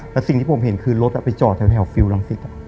แล้วสิ่งที่ผมเห็นคือรถไปจอดแถวฟิลรังสิต